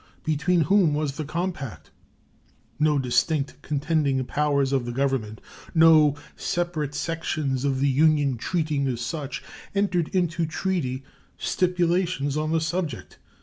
Between whom was the compact? No distinct contending powers of the Government, no separate sections of the Union treating as such, entered into treaty stipulations on the subject.